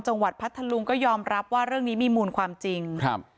พัทธลุงก็ยอมรับว่าเรื่องนี้มีมูลความจริงครับ